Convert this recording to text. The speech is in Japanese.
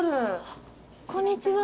こんにちは。